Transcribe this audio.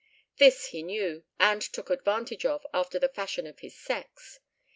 This he knew and took advantage of after the fashion of his sex.